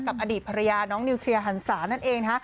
กับอดีตภรรยาน้องนิวเคลียร์ฮันศานั่นเอง